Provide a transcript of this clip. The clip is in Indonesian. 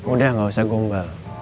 udah gak usah gombal